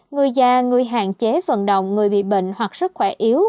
người già người hạn chế vận động người bị bệnh hoặc sức khỏe yếu